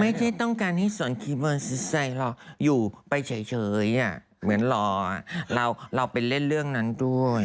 ไม่ใช่ต้องการให้ส่วนขี่มอเตอร์ไซค์รออยู่ไปเฉยเหมือนรอเราไปเล่นเรื่องนั้นด้วย